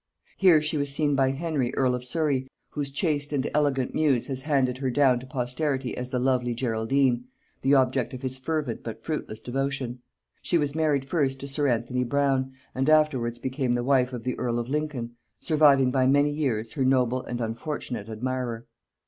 Here she was seen by Henry earl of Surry, whose chaste and elegant muse has handed her down to posterity as the lovely Geraldine, the object of his fervent but fruitless devotion. She was married first to sir Anthony Brown, and afterwards became the wife of the earl of Lincoln, surviving by many years her noble and unfortunate admirer.